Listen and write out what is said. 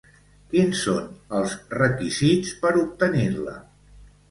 Quins són els requisits per obtenir-la?